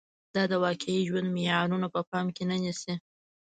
دا د واقعي ژوند معيارونه په پام کې نه نیسي